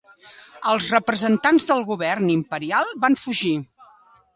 Els representants del govern imperial van fugir.